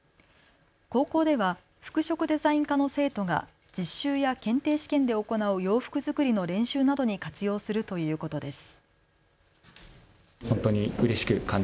高校では服飾デザイン科の生徒が実習や検定試験で行う洋服作りの練習などに活用するということです。